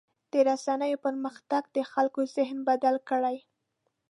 د رسنیو پرمختګ د خلکو ذهن بدل کړی.